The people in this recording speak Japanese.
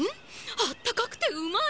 あったかくてうまい！